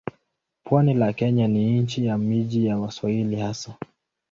Pwani la Kenya ni nchi ya miji ya Waswahili hasa.